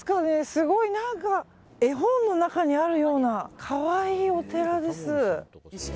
すごい何か絵本の中にあるような可愛いお寺です。